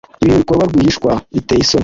ibintu bikorwa rwihishwa biteye isoni .